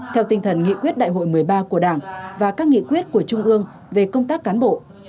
theo tinh thần nghị quyết đại hội một mươi ba của đảng và các nghị quyết của trung ương về công tác cán bộ